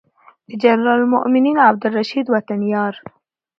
د جنرال مؤمن او عبدالرشید وطن یار